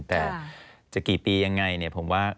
แต่จะกี่ปียังไงผมว่า